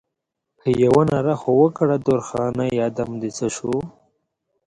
یوه ناره خو وکړه درخانۍ ادم دې څه شو؟